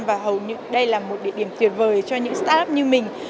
và hầu như đây là một địa điểm tuyệt vời cho những start up như mình